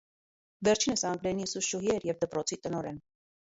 Վերջինս անգլերենի ուսուցչուհի էր և դպրոցի տնօրեն։